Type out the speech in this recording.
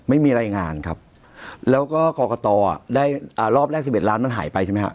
ไม่มีรายงานครับแล้วก็กรกตได้รอบแรก๑๑ล้านมันหายไปใช่ไหมฮะ